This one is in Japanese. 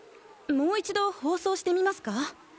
もう一度放送してみますか？